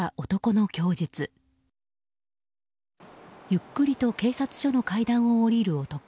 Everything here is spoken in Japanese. ゆっくりと警察署の階段を下りる男。